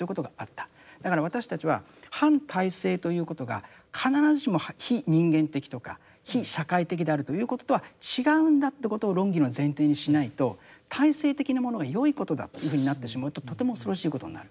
だから私たちは反体制ということが必ずしも非人間的とか非社会的であるということとは違うんだってことを論議の前提にしないと体制的なものが良いことだというふうになってしまうととても恐ろしいことになる。